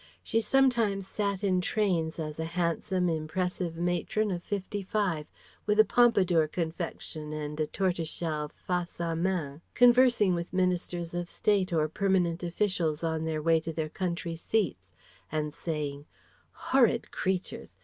She sometimes sat in trains as a handsome, impressive matron of fifty five, with a Pompadour confection and a tortoiseshell face à main, conversing with ministers of state or permanent officials on their way to their country seats, and saying "Horrid creatures!"